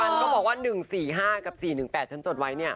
ก็บอกว่า๑๔๕กับ๔๑๘ฉันจดไว้เนี่ย